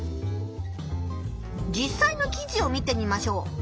実さいの記事を見てみましょう。